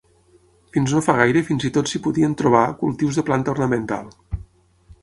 Fins no fa gaire fins i tot s'hi podien trobar cultius de planta ornamental.